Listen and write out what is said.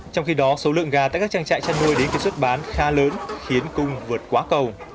trong khi đó số lượng gà tại các trang trại chăn nuôi đến kỳ xuất bán khá lớn khiến cung vượt quá cầu